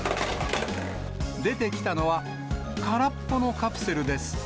出てきたのは空っぽのカプセルです。